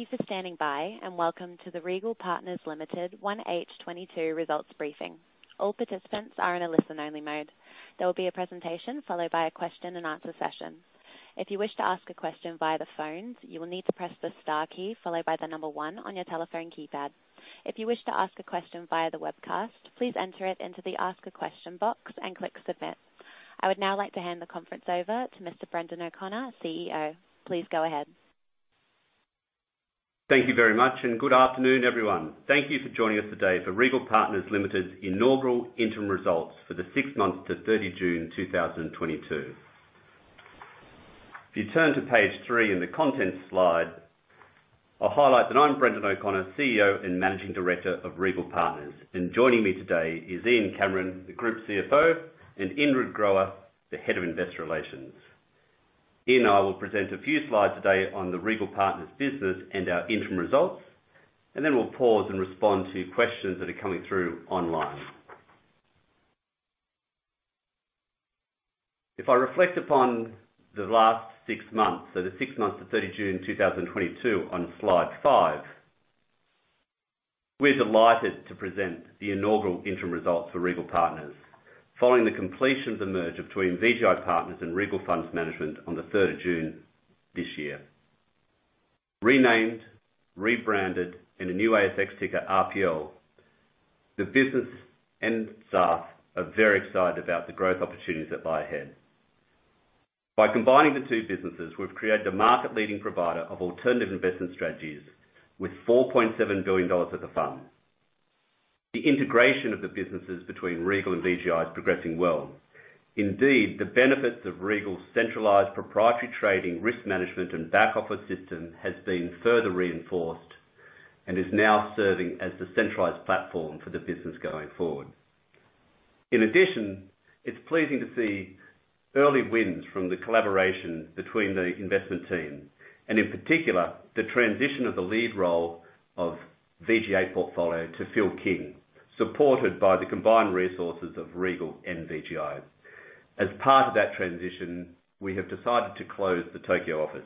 Thank you for standing by, and welcome to the Regal Partners Limited 1H 2022 results briefing. All participants are in a listen-only mode. There will be a presentation followed by a question and answer session. If you wish to ask a question via the phone, you will need to press the star key followed by the number one on your telephone keypad. If you wish to ask a question via the webcast, please enter it into the ask a question box and click submit. I would now like to hand the conference over to Mr. Brendan O'Connor, CEO. Please go ahead. Thank you very much, and good afternoon, everyone. Thank you for joining us today for Regal Partners Limited's inaugural interim results for the six months to June 30, 2022. If you turn to page three in the contents slide, I'll highlight that I'm Brendan O'Connor, CEO and Managing Director of Regal Partners, and joining me today is Ian Cameron, the Group CFO, and Ingrid Groer, the Head of Investor Relations. Ian and I will present a few slides today on the Regal Partners business and our interim results, and then we'll pause and respond to questions that are coming through online. If I reflect upon the last six months, the six months to 30 June 2022 on slide five, we're delighted to present the inaugural interim results for Regal Partners following the completion of the merger between VGI Partners and Regal Funds Management on third June this year. Renamed, rebranded, and a new ASX ticker RPL, the business and staff are very excited about the growth opportunities that lie ahead. By combining the two businesses, we've created a market-leading provider of alternative investment strategies with 4.7 billion dollars of the fund. The integration of the businesses between Regal and VGI is progressing well. Indeed, the benefits of Regal's centralized proprietary trading, risk management, and back office system has been further reinforced and is now serving as the centralized platform for the business going forward. In addition, it's pleasing to see early wins from the collaboration between the investment team and in particular, the transition of the lead role of VGI portfolio to Phil King, supported by the combined resources of Regal and VGI. As part of that transition, we have decided to close the Tokyo office.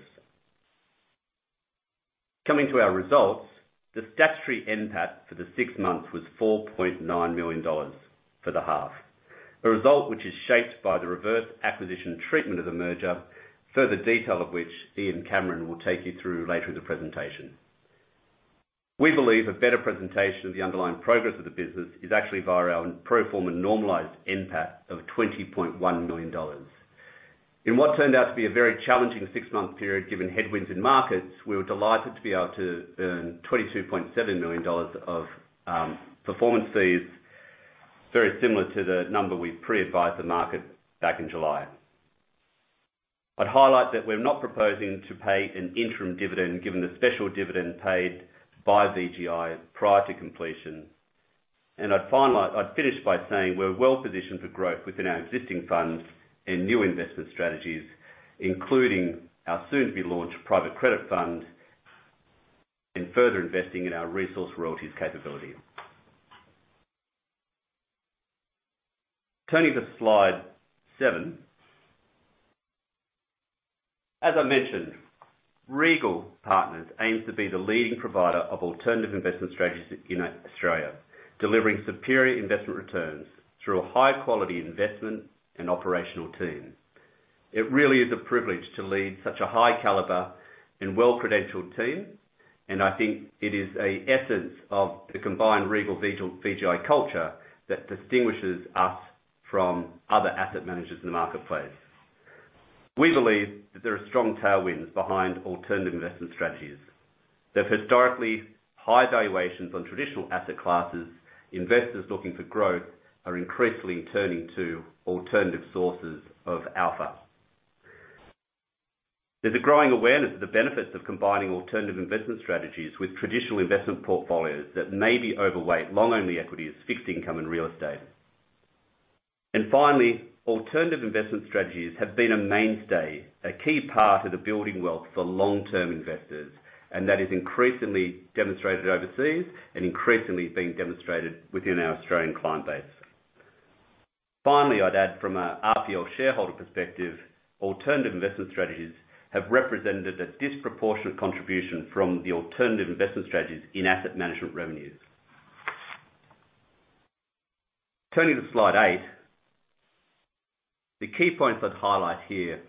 Coming to our results, the statutory NPAT for the six months was 4.9 million dollars for the half. The result, which is shaped by the reverse acquisition treatment of the merger, further detail of which Ian Cameron will take you through later in the presentation. We believe a better presentation of the underlying progress of the business is actually via our pro forma normalized NPAT of 20.1 million dollars. In what turned out to be a very challenging six-month period, given headwinds in markets, we were delighted to be able to earn 22.7 million dollars of performance fees, very similar to the number we pre-advised the market back in July. I'd highlight that we're not proposing to pay an interim dividend given the special dividend paid by VGI prior to completion. I'd finish by saying we're well-positioned for growth within our existing funds and new investment strategies, including our soon-to-be-launched private credit fund and further investing in our resource royalties capability. Turning to slide seven. As I mentioned, Regal Partners aims to be the leading provider of alternative investment strategies in Australia, delivering superior investment returns through a high-quality investment and operational team. It really is a privilege to lead such a high caliber and well-credentialed team, and I think it is an essence of the combined Regal-VGI culture that distinguishes us from other asset managers in the marketplace. We believe that there are strong tailwinds behind alternative investment strategies. The historically high valuations on traditional asset classes. Investors looking for growth are increasingly turning to alternative sources of alpha. There's a growing awareness of the benefits of combining alternative investment strategies with traditional investment portfolios that may be overweight long-only equities, fixed income and real estate. Finally, alternative investment strategies have been a mainstay, a key part of the building wealth for long-term investors, and that is increasingly demonstrated overseas and increasingly being demonstrated within our Australian client base. Finally, I'd add from a RPL shareholder perspective, alternative investment strategies have represented a disproportionate contribution from the alternative investment strategies in asset management revenues. Turning to slide eight. The key points I'd highlight here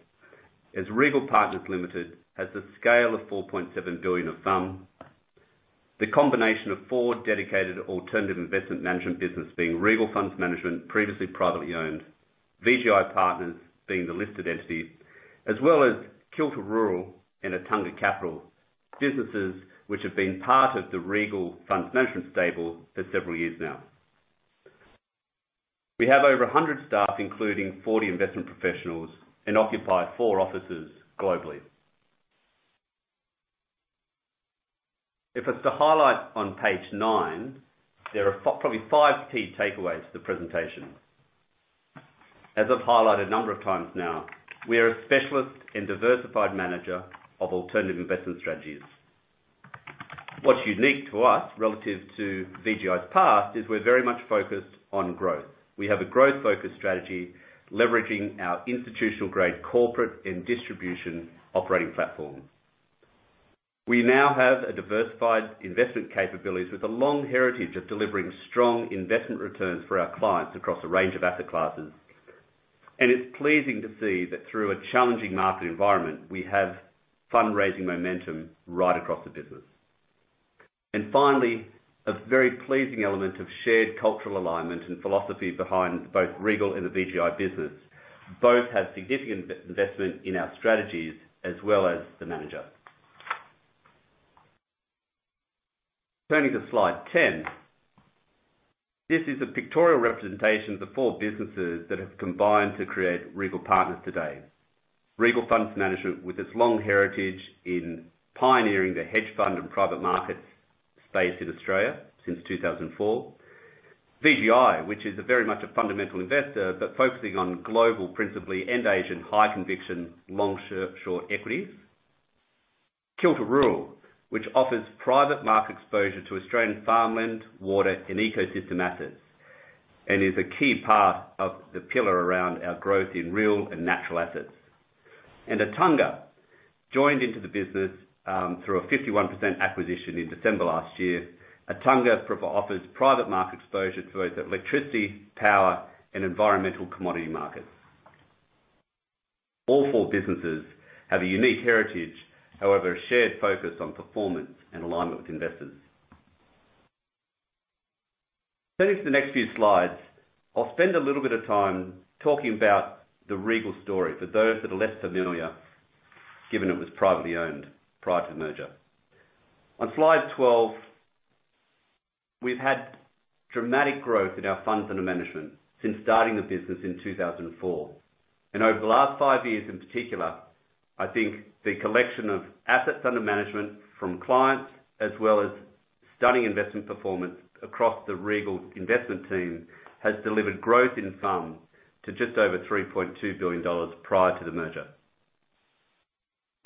is Regal Partners Limited has a scale of 4.7 billion of funds. The combination of four dedicated alternative investment management business being Regal Funds Management, previously privately owned. VGI Partners being the listed entity, as well as Kilter Rural and Attunga Capital, businesses which have been part of the Regal Funds Management stable for several years now. We have over 100 staff, including 40 investment professionals, and occupy four offices globally. It's to highlight on page nine, there are probably five key takeaways to the presentation. As I've highlighted a number of times now, we are a specialist and diversified manager of alternative investment strategies. What's unique to us relative to VGI's past is we're very much focused on growth. We have a growth-focused strategy leveraging our institutional-grade corporate and distribution operating platform. We now have a diversified investment capabilities with a long heritage of delivering strong investment returns for our clients across a range of asset classes. It's pleasing to see that through a challenging market environment, we have fundraising momentum right across the business. Finally, a very pleasing element of shared cultural alignment and philosophy behind both Regal and the VGI business, both have significant investment in our strategies as well as the manager. Turning to slide 10, this is a pictorial representation of the four businesses that have combined to create Regal Partners today. Regal Funds Management, with its long heritage in pioneering the hedge fund and private market space in Australia since 2004. VGI, which is very much a fundamental investor, but focusing on global, principally in Asian, high conviction, long-short equities. Kilter Rural, which offers private market exposure to Australian farmland, water, and ecosystem assets, and is a key part of the pillar around our growth in real and natural assets. Attunga joined into the business through a 51% acquisition in December last year. Attunga offers private market exposure to both electricity, power, and environmental commodity markets. All four businesses have a unique heritage, however, a shared focus on performance and alignment with investors. Turning to the next few slides, I'll spend a little bit of time talking about the Regal story for those that are less familiar, given it was privately owned prior to the merger. On slide 12, we've had dramatic growth in our funds under management since starting the business in 2004. Over the last five years in particular, I think the collection of assets under management from clients as well as stunning investment performance across the Regal investment team, has delivered growth in funds to just over 3.2 billion dollars prior to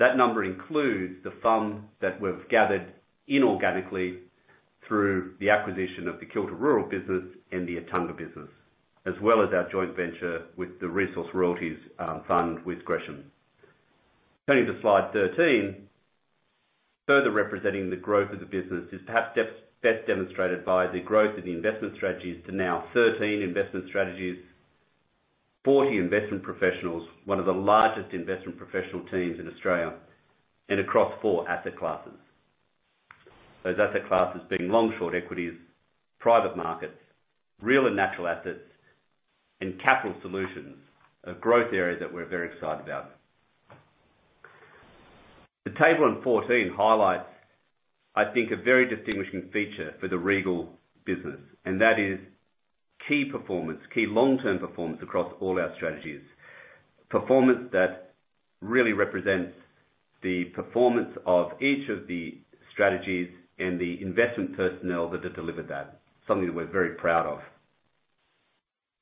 the merger. That number includes the fund that we've gathered inorganically through the acquisition of the Kilter Rural business and the Attunga business, as well as our joint venture with the Resources Royalties Fund with Gresham. Turning to slide 13, further representing the growth of the business is perhaps best demonstrated by the growth of the investment strategies to now 13 investment strategies, 40 investment professionals, one of the largest investment professional teams in Australia, and across four asset classes. Those asset classes being long-short equities, private markets, real and natural assets, and capital solutions, a growth area that we're very excited about. The table on 14 highlights, I think, a very distinguishing feature for the Regal business, and that is key performance, key long-term performance across all our strategies. Performance that really represents the performance of each of the strategies and the investment personnel that have delivered that, something that we're very proud of.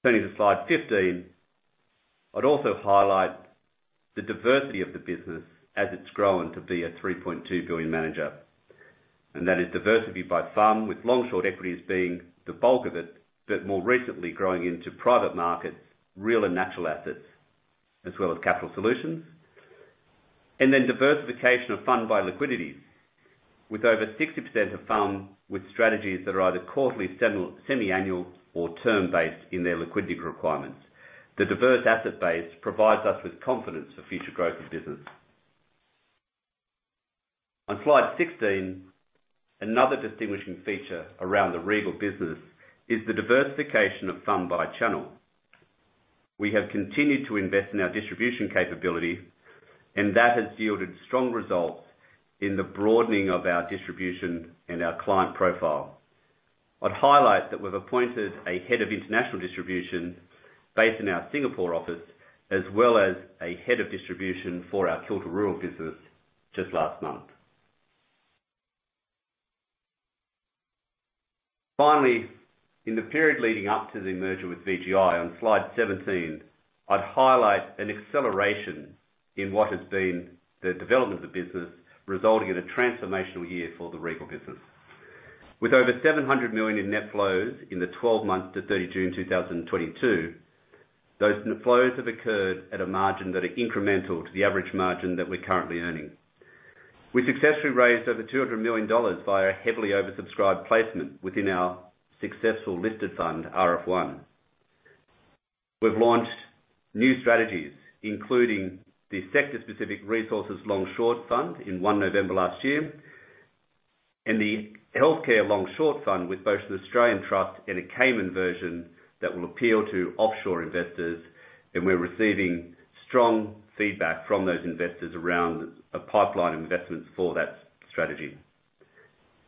Turning to slide 15, I'd also highlight the diversity of the business as it's grown to be a 3.2 billion manager. That is diversity by FUM, with long-short equities being the bulk of it, but more recently growing into private markets, real and natural assets, as well as capital solutions. Then diversification of FUM by liquidities, with over 60% of FUM with strategies that are either quarterly, semiannual or term-based in their liquidity requirements. The diverse asset base provides us with confidence for future growth of business. On slide 16, another distinguishing feature around the Regal business is the diversification of FUM by channel. We have continued to invest in our distribution capability, and that has yielded strong results in the broadening of our distribution and our client profile. I'd highlight that we've appointed a head of international distribution based in our Singapore office, as well as a head of distribution for our Kilter Rural business just last month. Finally, in the period leading up to the merger with VGI on slide 17, I'd highlight an acceleration in what has been the development of the business, resulting in a transformational year for the Regal business. With over 700 million in net flows in the 12 months to 30 June 2022, those net flows have occurred at a margin that are incremental to the average margin that we're currently earning. We successfully raised over 200 million dollars by a heavily oversubscribed placement within our successful listed fund, RF1. We've launched new strategies, including the sector-specific Resources Long Short Fund in 1 November last year, and the Healthcare Long Short Fund with both the Australian Trust and a Cayman version that will appeal to offshore investors. We're receiving strong feedback from those investors around a pipeline of investments for that strategy.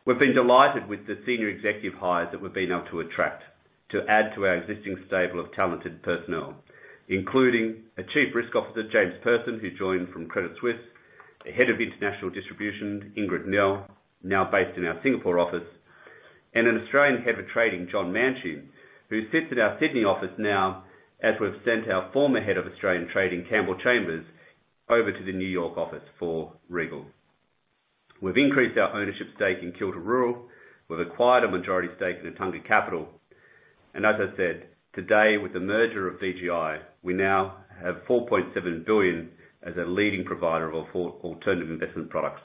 We've been delighted with the senior executive hires that we've been able to attract to add to our existing stable of talented personnel, including a Chief Risk Officer, James Persson, who joined from Credit Suisse, a Head of International Distribution, Ingrid Nell, now based in our Singapore office, a Head of Australian Trading, John Manchee, who sits at our Sydney office now, as we've sent our former Head of Australian Trading, Campbell Chambers, over to the New York office for Regal. We've increased our ownership stake in Kilter Rural. We've acquired a majority stake in Attunga Capital. As I said, today, with the merger of VGI, we now have 4.7 billion as a leading provider of alternative investment products.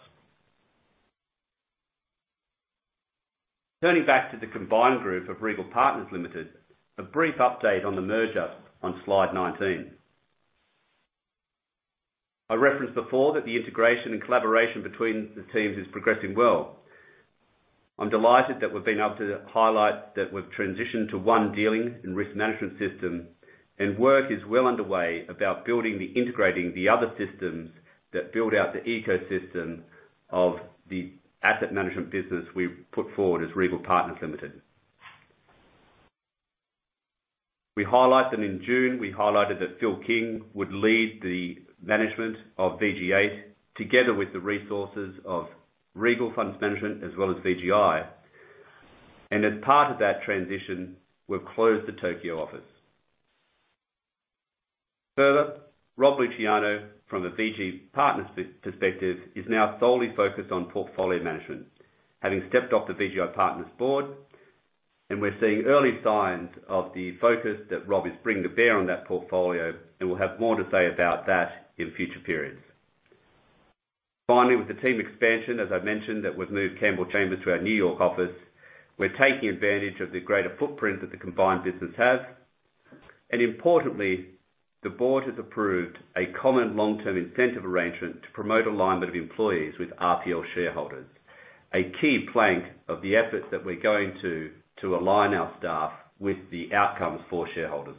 Turning back to the combined group of Regal Partners Limited, a brief update on the merger on slide 19. I referenced before that the integration and collaboration between the teams is progressing well. I'm delighted that we've been able to highlight that we've transitioned to one dealing and risk management system, and work is well underway about building and integrating the other systems that build out the ecosystem of the asset management business we've put forward as Regal Partners Limited. We highlighted in June that Phil King would lead the management of VG8, together with the resources of Regal Funds Management as well as VGI. As part of that transition, we've closed the Tokyo office. Further, Rob Luciano, from a VGI Partners perspective, is now solely focused on portfolio management, having stepped off the VGI Partners board, and we're seeing early signs of the focus that Rob is bringing to bear on that portfolio, and we'll have more to say about that in future periods. Finally, with the team expansion, as I mentioned, that we've moved Campbell Chambers to our New York office, we're taking advantage of the greater footprint that the combined business has. Importantly, the board has approved a common long-term incentive arrangement to promote alignment of employees with RPL shareholders, a key plank of the efforts that we're going to align our staff with the outcomes for shareholders.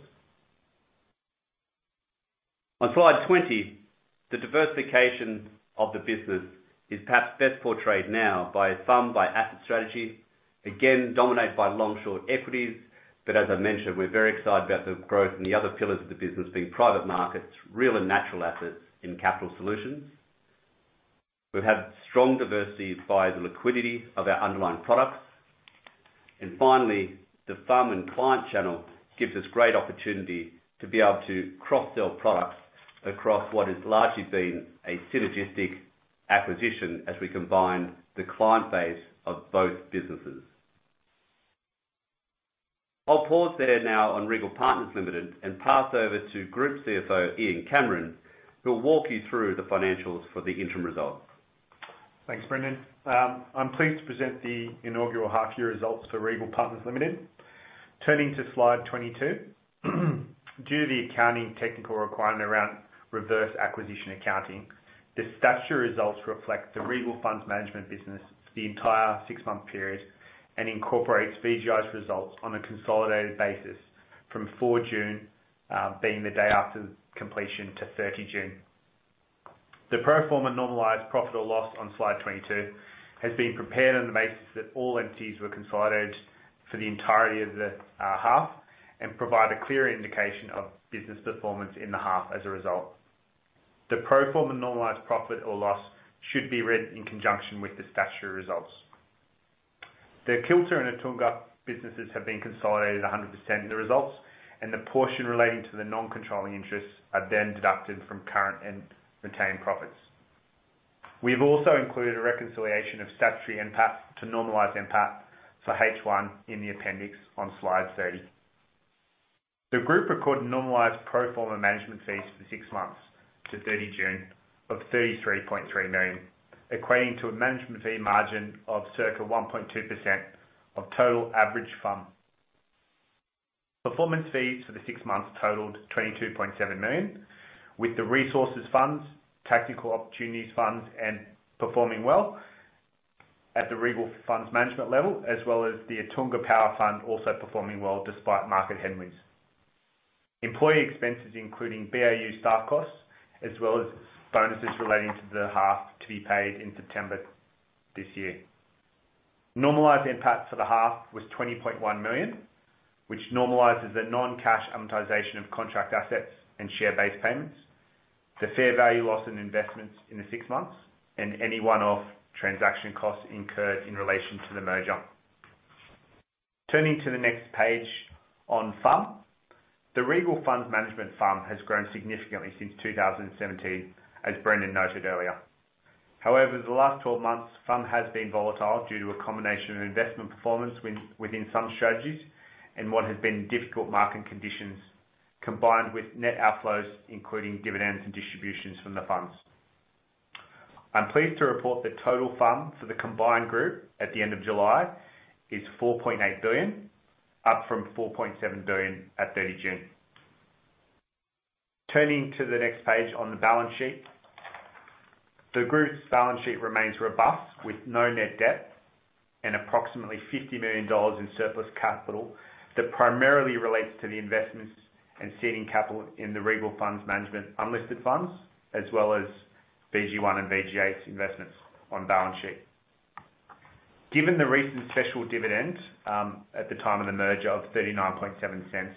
On slide 20, the diversification of the business is perhaps best portrayed now by FUM, by asset strategy. Again, dominated by long-short equities, but as I mentioned, we're very excited about the growth in the other pillars of the business, being private markets, real and natural assets in capital solutions. We've had strong diversification via the liquidity of our underlying products. Finally, the FUM and client channel gives us great opportunity to be able to cross-sell products across what has largely been a synergistic acquisition as we combine the client base of both businesses. I'll pause there now on Regal Partners Limited and pass over to Group CFO, Ian Cameron, who'll walk you through the financials for the interim results. Thanks, Brendan. I'm pleased to present the inaugural half year results for Regal Partners Limited. Turning to slide 22, due to the accounting technical requirement around reverse acquisition accounting, the statutory results reflect the Regal Funds Management business for the entire six month period and incorporates VGI's results on a consolidated basis from 4 June, being the day after the completion, to 30 June. The pro forma normalized profit or loss on slide 22 has been prepared on the basis that all entities were consolidated for the entirety of the half and provide a clear indication of business performance in the half as a result. The pro forma normalized profit or loss should be read in conjunction with the statutory results. The Kilter and Attunga businesses have been consolidated 100% in the results, and the portion relating to the non-controlling interests are then deducted from current and retained profits. We have also included a reconciliation of statutory NPAT to normalized NPAT for H1 in the appendix on slide 30. The group recorded normalized pro forma management fees for six months to 30 June of 33.3 million, equating to a management fee margin of circa 1.2% of total average FUM. Performance fees for the six months totaled 22.7 million, with the resources funds, tactical opportunities funds performing well at the Regal Funds Management level, as well as the Attunga Power Fund also performing well despite market headwinds. Employee expenses including BAU staff costs as well as bonuses relating to the half to be paid in September this year. Normalized NPAT for the half was 20.1 million, which normalizes the non-cash amortization of contract assets and share-based payments, the fair value loss in investments in the six months, and any one-off transaction costs incurred in relation to the merger. Turning to the next page on FUM. The Regal Funds Management FUM has grown significantly since 2017, as Brendan noted earlier. However, the last 12 months, FUM has been volatile due to a combination of investment performance within some strategies and what has been difficult market conditions combined with net outflows, including dividends and distributions from the funds. I'm pleased to report that total FUM for the combined group at the end of July is 4.8 billion, up from 4.7 billion at 30 June. Turning to the next page on the balance sheet. The group's balance sheet remains robust with no net debt and approximately 50 million dollars in surplus capital that primarily relates to the investments and seeding capital in the Regal Funds Management unlisted funds, as well as VG1 and VG8's investments on balance sheet. Given the recent special dividend at the time of the merger of 0.397.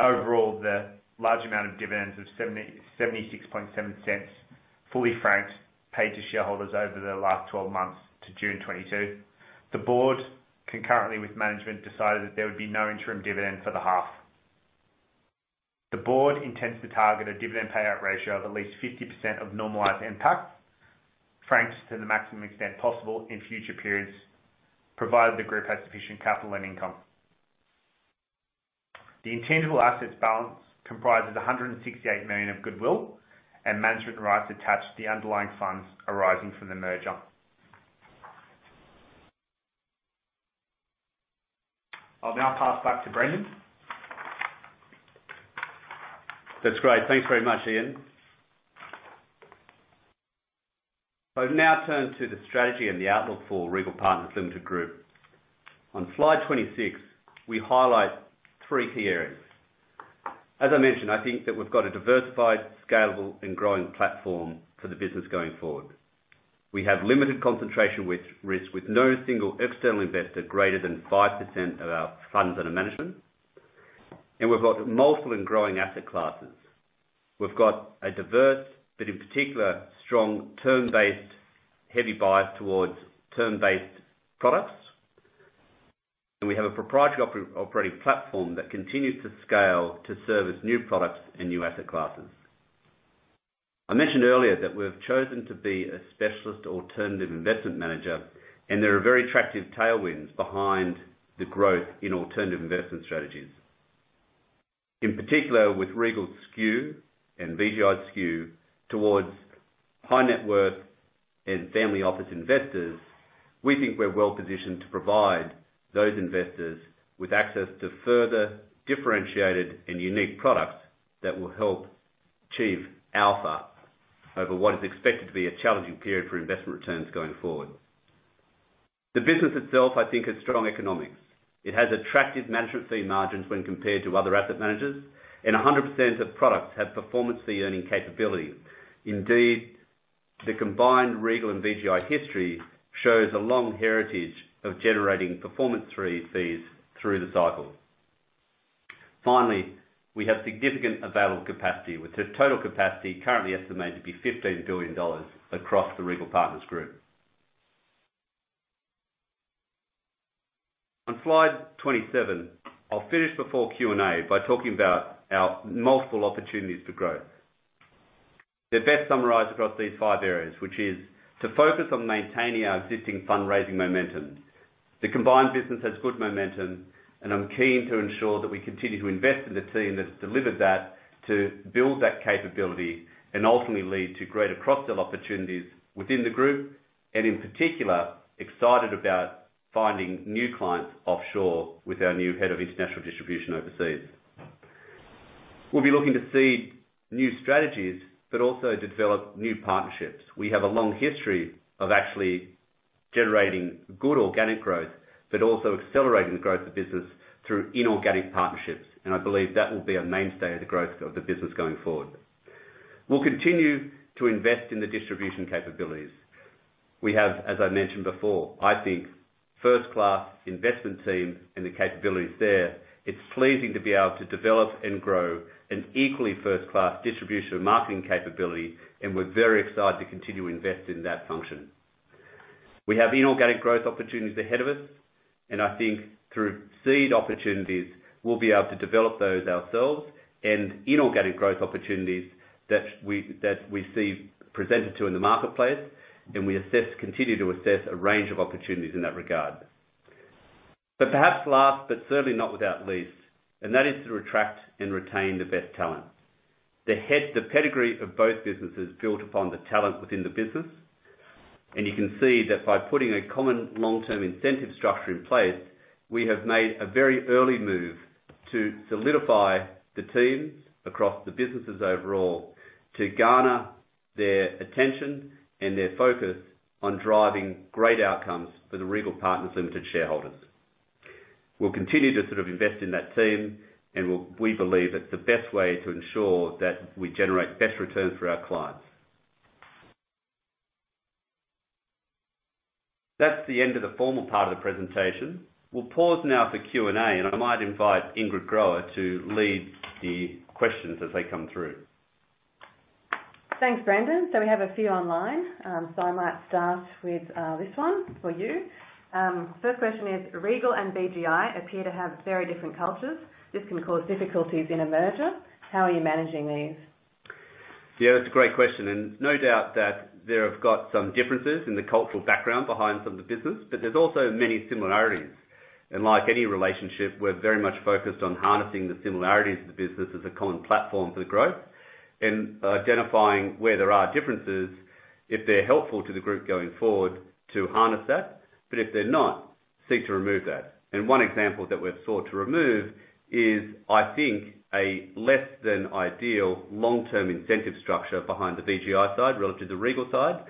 Overall, the large amount of dividends of 0.767, fully franked, paid to shareholders over the last twelve months to June 2022. The board, concurrently with management, decided that there would be no interim dividend for the half. The board intends to target a dividend payout ratio of at least 50% of normalized NPAT, franked to the maximum extent possible in future periods, provided the group has sufficient capital and income. The intangible assets balance comprises 168 million of goodwill and management rights attached to the underlying funds arising from the merger. I'll now pass back to Brendan. That's great. Thanks very much, Ian. I would now turn to the strategy and the outlook for Regal Partners Limited. On slide 26, we highlight three key areas. As I mentioned, I think that we've got a diversified, scalable, and growing platform for the business going forward. We have limited concentration with risk, with no single external investor greater than 5% of our funds under management. We've got multiple and growing asset classes. We've got a diverse, but in particular, strong term-based, heavy bias towards term-based products. We have a proprietary operating platform that continues to scale to service new products and new asset classes. I mentioned earlier that we have chosen to be a specialist alternative investment manager, and there are very attractive tailwinds behind the growth in alternative investment strategies. In particular, with Regal's skew and VGI's skew towards high net worth and family office investors, we think we're well-positioned to provide those investors with access to further differentiated and unique products that will help achieve alpha over what is expected to be a challenging period for investment returns going forward. The business itself, I think, has strong economics. It has attractive management fee margins when compared to other asset managers, and 100% of products have performance fee-earning capabilities. Indeed, the combined Regal and VGI history shows a long heritage of generating performance fees through the cycle. Finally, we have significant available capacity, with the total capacity currently estimated to be 15 billion dollars across the Regal Partners group. On slide 27, I'll finish before Q&A by talking about our multiple opportunities for growth. They're best summarized across these five areas, which is to focus on maintaining our existing fundraising momentum. The combined business has good momentum, and I'm keen to ensure that we continue to invest in the team that's delivered that to build that capability and ultimately lead to greater cross-sell opportunities within the group, and in particular, excited about finding new clients offshore with our new head of international distribution overseas. We'll be looking to seed new strategies but also develop new partnerships. We have a long history of actually generating good organic growth, but also accelerating the growth of business through inorganic partnerships, and I believe that will be a mainstay of the growth of the business going forward. We'll continue to invest in the distribution capabilities. We have, as I mentioned before, I think, first-class investment team and the capabilities there. It's pleasing to be able to develop and grow an equally first-class distribution and marketing capability, and we're very excited to continue to invest in that function. We have inorganic growth opportunities ahead of us, and I think through seed opportunities, we'll be able to develop those ourselves and inorganic growth opportunities that we see presented to us in the marketplace, and continue to assess a range of opportunities in that regard. Perhaps last but not least, and that is to attract and retain the best talent. The pedigree of both businesses built upon the talent within the business, and you can see that by putting a common long-term incentive structure in place, we have made a very early move to solidify the teams across the businesses overall to garner their attention and their focus on driving great outcomes for the Regal Partners Limited shareholders. We'll continue to sort of invest in that team, and we believe it's the best way to ensure that we generate best returns for our clients. That's the end of the formal part of the presentation. We'll pause now for Q&A, and I might invite Ingrid Groer to lead the questions as they come through. Thanks, Brendan. We have a few online, so I might start with this one for you. First question is, "Regal and VGI appear to have very different cultures. This can cause difficulties in a merger. How are you managing these? Yeah, that's a great question, and no doubt that they have got some differences in the cultural background behind some of the business, but there's also many similarities. Like any relationship, we're very much focused on harnessing the similarities of the business as a common platform for growth and identifying where there are differences, if they're helpful to the group going forward, to harness that. If they're not, seek to remove that. One example that we've sought to remove is, I think, a less than ideal long-term incentive structure behind the VGI side relative to the Regal side.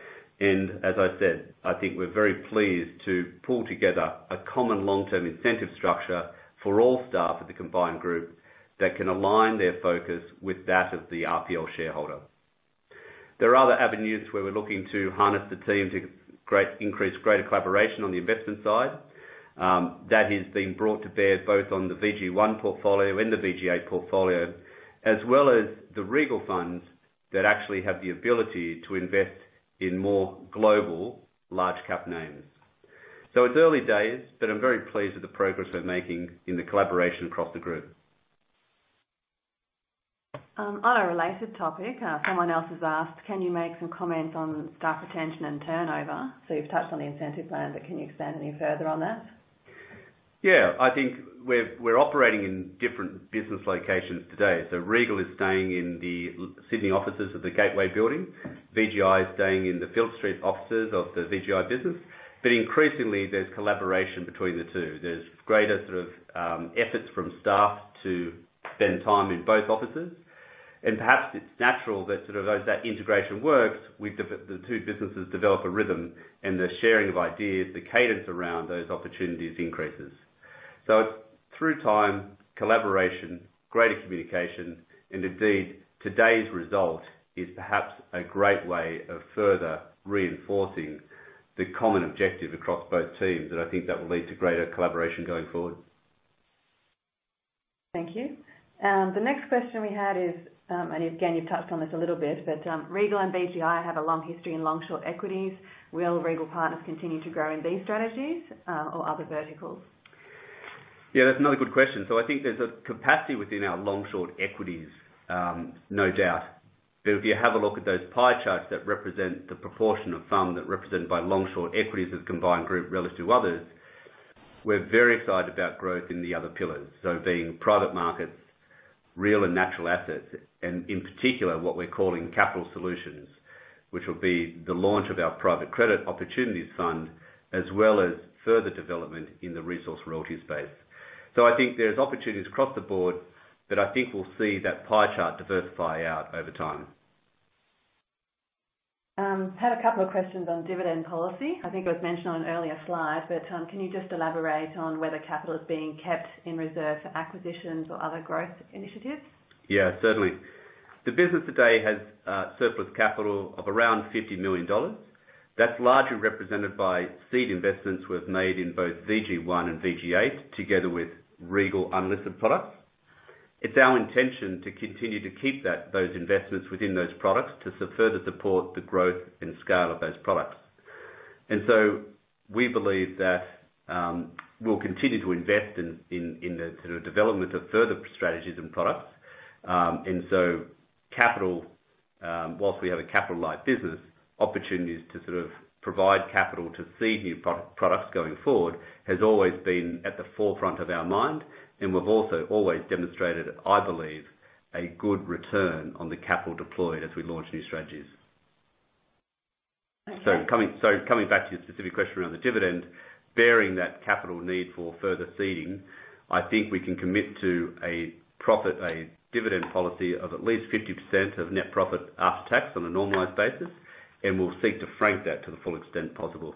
As I said, I think we're very pleased to pull together a common long-term incentive structure for all staff of the combined group that can align their focus with that of the RPL shareholder. There are other avenues where we're looking to harness the team to greatly increase greater collaboration on the investment side, that is being brought to bear both on the VG1 portfolio and the VG8 portfolio, as well as the Regal funds that actually have the ability to invest in more global large cap names. It's early days, but I'm very pleased with the progress we're making in the collaboration across the group. On a related topic, someone else has asked, can you make some comments on staff retention and turnover? You've touched on the incentive plan, but can you expand any further on that? Yeah. I think we're operating in different business locations today. Regal is staying in the Sydney offices of the Gateway building. VGI is staying in the Phillip Street offices of the VGI business. Increasingly there's collaboration between the two. There's greater sort of efforts from staff to spend time in both offices. Perhaps it's natural that sort of as that integration works, the two businesses develop a rhythm and the sharing of ideas, the cadence around those opportunities increases. Through time, collaboration, greater communication, and indeed, today's result is perhaps a great way of further reinforcing the common objective across both teams, and I think that will lead to greater collaboration going forward. Thank you. The next question we had is, and again, you've touched on this a little bit, but Regal and VGI have a long history in long-short equities. Will Regal Partners continue to grow in these strategies, or other verticals? Yeah, that's another good question. I think there's a capacity within our long-short equities, no doubt. If you have a look at those pie charts that represent the proportion of fund that represented by long-short equities as a combined group relative to others, we're very excited about growth in the other pillars. Being private markets, real and natural assets, and in particular what we're calling capital solutions, which will be the launch of our private credit opportunities fund, as well as further development in the resource royalty space. I think there's opportunities across the board, but I think we'll see that pie chart diversify out over time. Had a couple of questions on dividend policy. I think it was mentioned on an earlier slide, but can you just elaborate on whether capital is being kept in reserve for acquisitions or other growth initiatives? Yeah, certainly. The business today has surplus capital of around 50 million dollars. That's largely represented by seed investments we've made in both VG1 and VG8, together with Regal unlisted products. It's our intention to continue to keep those investments within those products to further support the growth and scale of those products. We believe that we'll continue to invest in the sort of development of further strategies and products. Capital, while we have a capital light business, opportunities to sort of provide capital to seed new products going forward, has always been at the forefront of our mind. We've also always demonstrated, I believe, a good return on the capital deployed as we launch new strategies. Okay. Coming back to your specific question around the dividend, bearing that capital need for further seeding, I think we can commit to a dividend policy of at least 50% of net profit after tax on a normalized basis, and we'll seek to frank that to the full extent possible.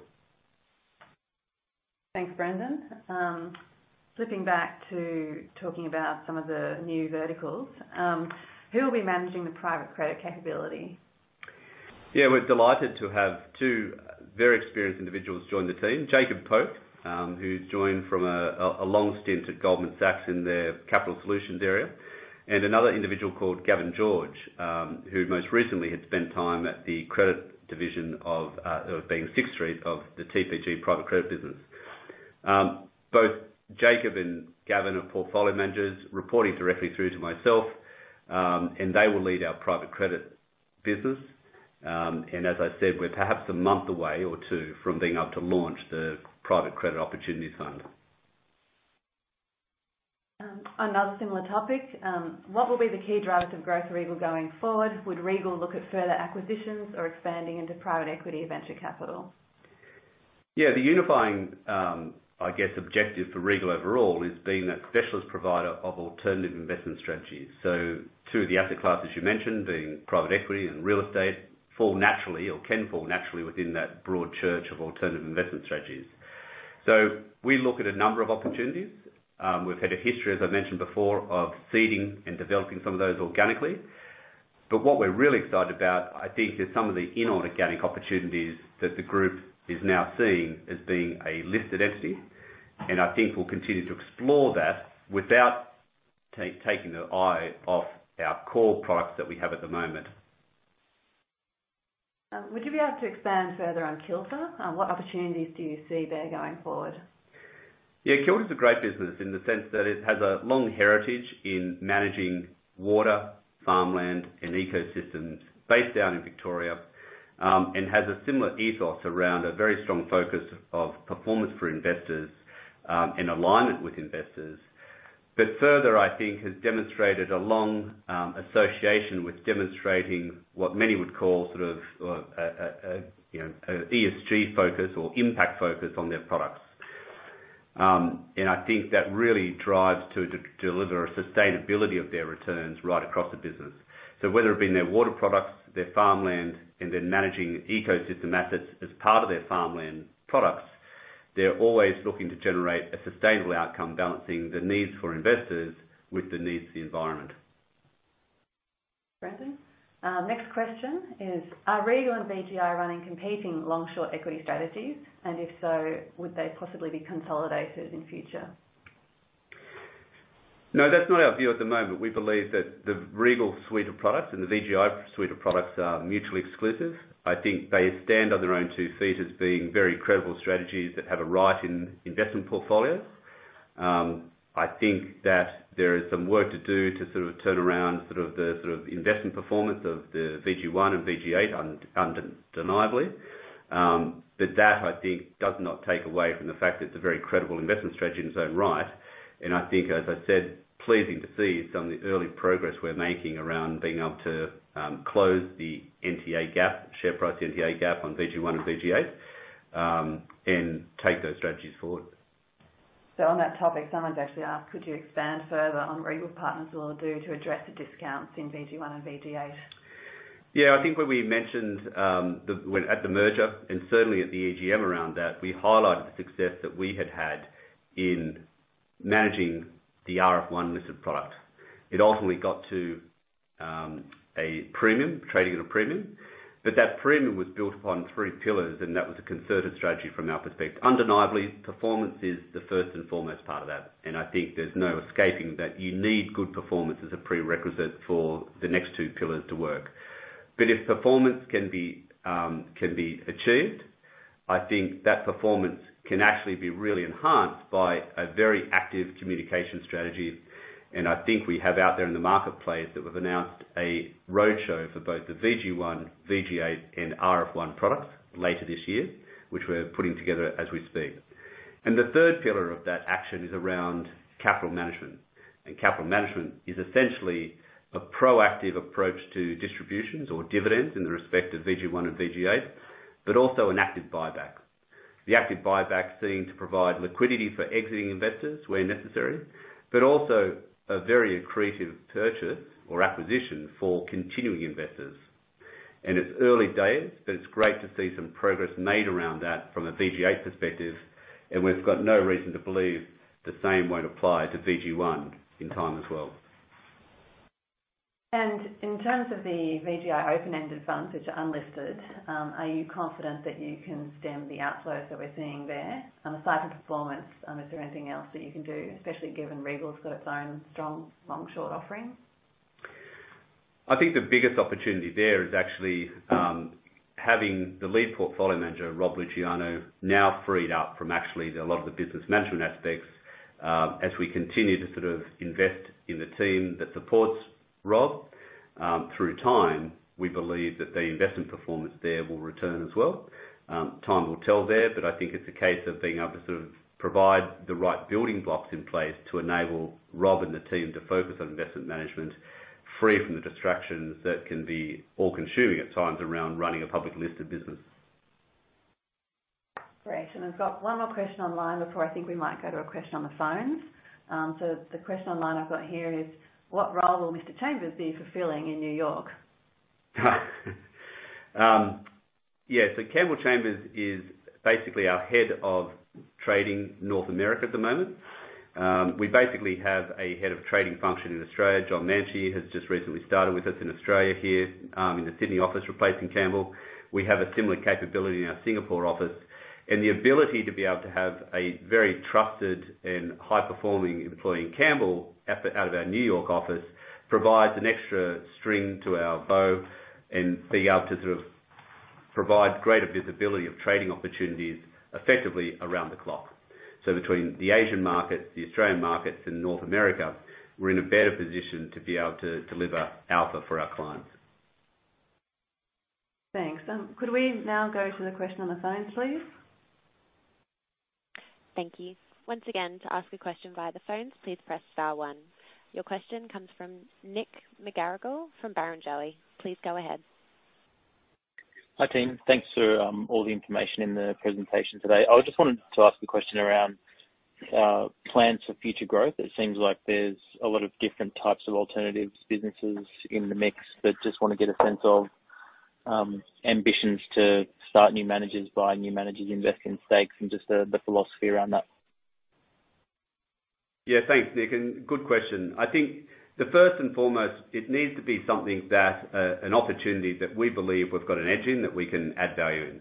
Thanks, Brendan. Flipping back to talking about some of the new verticals, who will be managing the private credit capability? Yeah, we're delighted to have two very experienced individuals join the team. Jacob Poke, who's joined from a long stint at Goldman Sachs in their capital solutions area. Another individual called Gavin George, who most recently had spent time at the credit division of Sixth Street of the TPG private credit business. Both Jacob and Gavin are portfolio managers reporting directly through to myself. They will lead our private credit business. As I said, we're perhaps a month away or two from being able to launch the private credit opportunity fund. Another similar topic, what will be the key drivers of growth for Regal going forward? Would Regal look at further acquisitions or expanding into private equity or venture capital? Yeah, the unifying, I guess, objective for Regal overall is being a specialist provider of alternative investment strategies. Two of the asset classes you mentioned, being private equity and real estate, fall naturally or can fall naturally within that broad church of alternative investment strategies. We look at a number of opportunities. We've had a history, as I mentioned before, of seeding and developing some of those organically. But what we're really excited about, I think, is some of the inorganic opportunities that the group is now seeing as being a listed entity. I think we'll continue to explore that without taking the eye off our core products that we have at the moment. Would you be able to expand further on Kilter? What opportunities do you see there going forward? Yeah, Kilter is a great business in the sense that it has a long heritage in managing water, farmland, and ecosystems based down in Victoria, and has a similar ethos around a very strong focus of performance for investors, in alignment with investors. Further, I think has demonstrated a long association with demonstrating what many would call sort of, you know, ESG focus or impact focus on their products. I think that really drives to deliver a sustainability of their returns right across the business. Whether it be in their water products, their farmland, and their managing ecosystem assets as part of their farmland products, they're always looking to generate a sustainable outcome, balancing the needs for investors with the needs of the environment. Brendan, next question is, are Regal and VGI running competing long-short equity strategies? If so, would they possibly be consolidated in future? No, that's not our view at the moment. We believe that the Regal suite of products and the VGI suite of products are mutually exclusive. I think they stand on their own two feet as being very credible strategies that have a right in investment portfolios. I think that there is some work to do to sort of turn around the investment performance of the VG1 and VG8 undeniably. But that I think does not take away from the fact that it's a very credible investment strategy in its own right. I think, as I said, pleasing to see some of the early progress we're making around being able to close the NTA gap, share price NTA gap on VG1 and VG8, and take those strategies forward. On that topic, someone's actually asked, could you expand further on what Regal Partners will do to address the discounts in VG1 and VG8? Yeah, I think when we mentioned at the merger and certainly at the EGM around that, we highlighted the success that we had had in managing the RF1 listed product. It ultimately got to a premium, trading at a premium. That premium was built upon three pillars, and that was a concerted strategy from our perspective. Undeniably, performance is the first and foremost part of that, and I think there's no escaping that you need good performance as a prerequisite for the next two pillars to work. If performance can be achieved, I think that performance can actually be really enhanced by a very active communication strategy. I think we have out there in the marketplace that we've announced a roadshow for both the VG1, VG8 and RF1 products later this year, which we're putting together as we speak. The third pillar of that action is around capital management. Capital management is essentially a proactive approach to distributions or dividends in respect of VG1 and VG8, but also an active buyback. The active buyback seeking to provide liquidity for exiting investors where necessary, but also a very accretive purchase or acquisition for continuing investors. It's early days, but it's great to see some progress made around that from a VG8 perspective, and we've got no reason to believe the same won't apply to VG1 in time as well. In terms of the VGI open-ended funds, which are unlisted, are you confident that you can stem the outflows that we're seeing there? Aside from performance, is there anything else that you can do, especially given Regal's got its own strong, long-short offerings? I think the biggest opportunity there is actually having the lead portfolio manager, Robert Luciano, now freed up from actually the lot of the business management aspects. As we continue to sort of invest in the team that supports Rob, through time, we believe that the investment performance there will return as well. Time will tell there, but I think it's a case of being able to sort of provide the right building blocks in place to enable Rob and the team to focus on investment management free from the distractions that can be all-consuming at times around running a public listed business. Great. I've got one more question online before I think we might go to a question on the phones. The question online I've got here is: What role will Mr. Chambers be fulfilling in New York? Campbell Chambers is basically our head of trading North America at the moment. We basically have a head of trading function in Australia. John Manchee has just recently started with us in Australia here, in the Sydney office, replacing Campbell. We have a similar capability in our Singapore office. The ability to be able to have a very trusted and high-performing employee in Campbell at, out of our New York office, provides an extra string to our bow and being able to sort of provide greater visibility of trading opportunities effectively around the clock. Between the Asian market, the Australian markets and North America, we're in a better position to be able to deliver alpha for our clients. Thanks. Could we now go to the question on the phone, please? Thank you. Once again, to ask a question via the phones, please press star one. Your question comes from Nick McGarrigle from Barrenjoey. Please go ahead. Hi, team. Thanks for all the information in the presentation today. I just wanted to ask a question around plans for future growth. It seems like there's a lot of different types of alternatives, businesses in the mix. Just wanna get a sense of ambitions to start new managers, buy new managers, invest in stakes, and just the philosophy around that. Yeah. Thanks, Nick, and good question. I think the first and foremost, it needs to be something that an opportunity that we believe we've got an edge in, that we can add value in.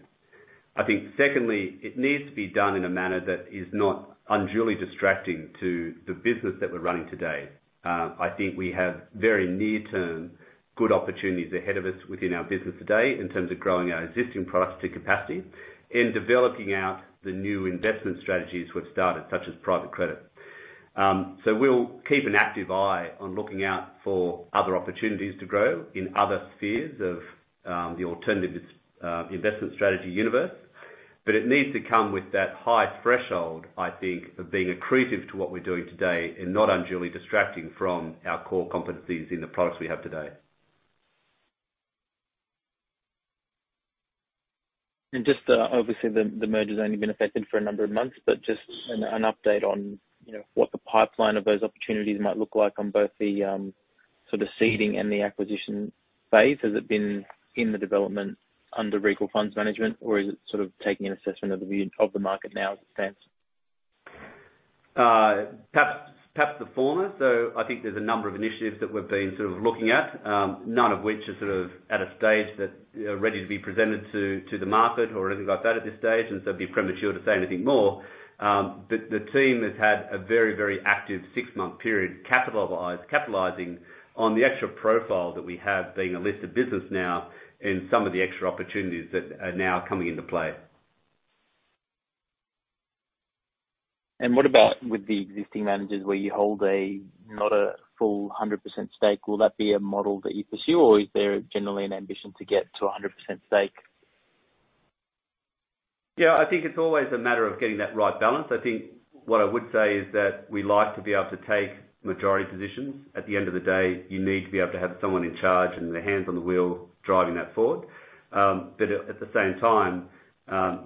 I think secondly, it needs to be done in a manner that is not unduly distracting to the business that we're running today. I think we have very near-term good opportunities ahead of us within our business today in terms of growing our existing products to capacity and developing out the new investment strategies we've started, such as private credit. We'll keep an active eye on looking out for other opportunities to grow in other spheres of the investment strategy universe. It needs to come with that high threshold, I think, of being accretive to what we're doing today and not unduly distracting from our core competencies in the products we have today. Just, obviously, the merger's only been effected for a number of months, but just an update on, you know, what the pipeline of those opportunities might look like on both the seeding and the acquisition phase. Has it been in the development under Regal Funds Management or is it sort of taking an assessment of the view of the market now as it stands? Perhaps the former. I think there's a number of initiatives that we've been sort of looking at, none of which are sort of at a stage that are ready to be presented to the market or anything like that at this stage. It'd be premature to say anything more. But the team has had a very, very active six-month period capitalizing on the extra profile that we have being a listed business now and some of the extra opportunities that are now coming into play. What about with the existing managers where you hold a, not a full 100% stake? Will that be a model that you pursue or is there generally an ambition to get to a 100% stake? Yeah, I think it's always a matter of getting that right balance. I think what I would say is that we like to be able to take majority positions. At the end of the day, you need to be able to have someone in charge and their hands on the wheel driving that forward. At the same time,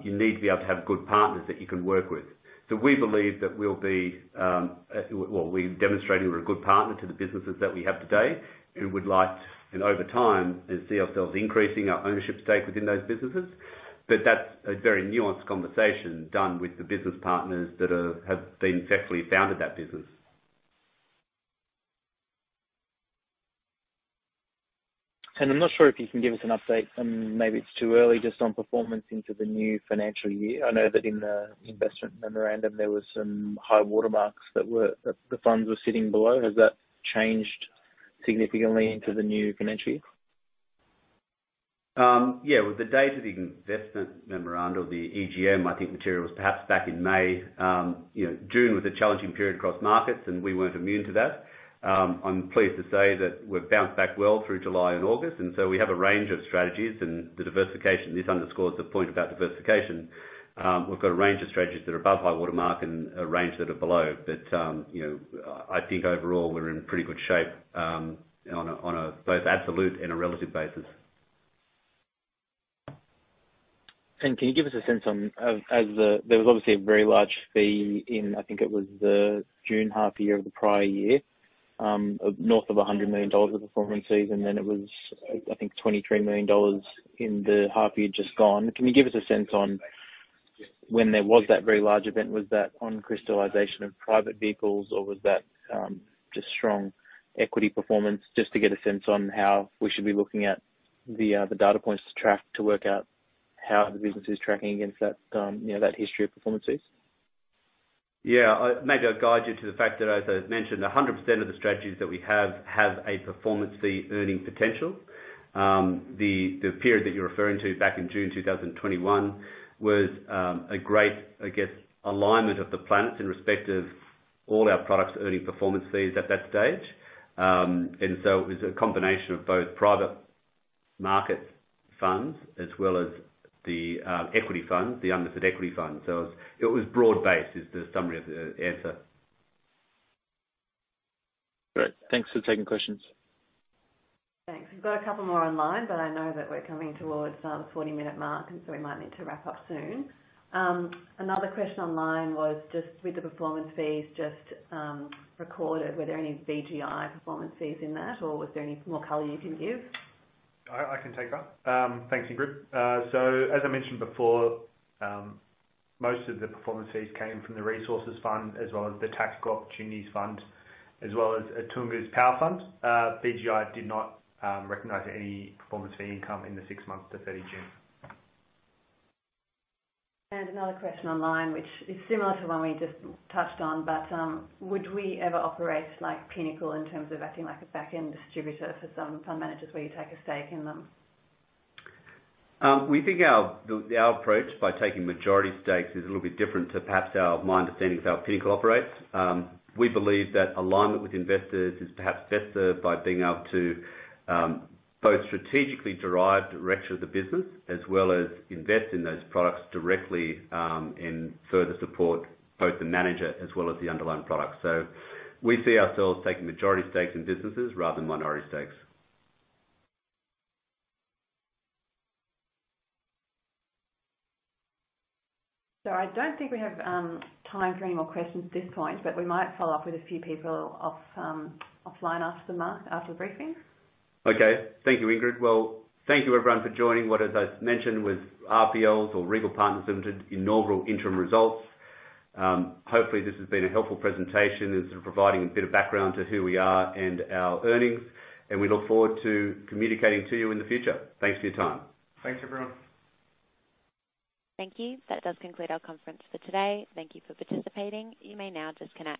you need to be able to have good partners that you can work with. We believe that we've demonstrated we're a good partner to the businesses that we have today and would like, and over time, see ourselves increasing our ownership stake within those businesses. That's a very nuanced conversation done with the business partners that have successfully founded that business. I'm not sure if you can give us an update, and maybe it's too early, just on performance into the new financial year. I know that in the investment memorandum there were some high water marks that the funds were sitting below. Has that changed significantly into the new financial year? Yeah. With the date of the investment memorandum or the EGM, I think material was perhaps back in May. You know, June was a challenging period across markets, and we weren't immune to that. I'm pleased to say that we've bounced back well through July and August, and so we have a range of strategies. The diversification, this underscores the point about diversification. We've got a range of strategies that are above high water mark and a range that are below. You know, I think overall we're in pretty good shape, on both absolute and a relative basis. Can you give us a sense on the. There was obviously a very large fee in, I think it was the June half year of the prior year, north of 100 million dollars of performance fees, and then it was, I think 23 million dollars in the half year just gone. Can you give us a sense on when there was that very large event, was that on crystallization of private vehicles or was that just strong equity performance. Just to get a sense on how we should be looking at the data points to track to work out how the business is tracking against that, you know, that history of performances. Yeah. Maybe I'll guide you to the fact that as I mentioned, 100% of the strategies that we have have a performance fee earning potential. The period that you're referring to back in June 2021 was a great, I guess, alignment of the planets in respect of all our products earning performance fees at that stage. It was a combination of both private market funds as well as the equity funds, the unlisted equity funds. It was broad-based, is the summary of the answer. Great. Thanks for taking questions. Thanks. We've got a couple more online, but I know that we're coming towards the 40-minute mark, and so we might need to wrap up soon. Another question online was just with the performance fees recorded, were there any VGI performance fees in that, or was there any more color you can give? I can take that. Thanks, Ingrid. As I mentioned before, most of the performance fees came from the resources fund as well as the Tactical Opportunities Fund, as well as Attunga's power fund. VGI did not recognize any performance fee income in the six months to 30 June. Another question online, which is similar to one we just touched on. Would we ever operate like Pinnacle in terms of acting like a back-end distributor for some fund managers where you take a stake in them? We think our approach by taking majority stakes is a little bit different to perhaps my understanding is how Pinnacle operates. We believe that alignment with investors is perhaps best served by being able to both strategically derive direction of the business as well as invest in those products directly and further support both the manager as well as the underlying product. We see ourselves taking majority stakes in businesses rather than minority stakes. I don't think we have time for any more questions at this point, but we might follow up with a few people offline after the briefing. Okay. Thank you, Ingrid. Well, thank you everyone for joining what, as I mentioned, was RPL or Regal Partners Limited inaugural interim results. Hopefully, this has been a helpful presentation in sort of providing a bit of background to who we are and our earnings, and we look forward to communicating to you in the future. Thanks for your time. Thanks, everyone. Thank you. That does conclude our conference for today. Thank you for participating. You may now disconnect.